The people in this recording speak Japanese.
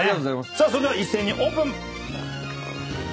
さあそれでは一斉にオープン！